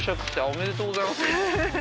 おめでとうございます。